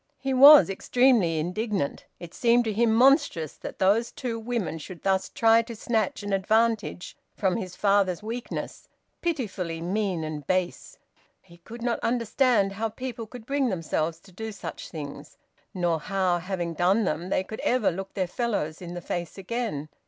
He was extremely indignant. It seemed to him monstrous that those two women should thus try to snatch an advantage from his father's weakness, pitifully mean and base. He could not understand how people could bring themselves to do such things, nor how, having done them, they could ever look their fellows in the face again.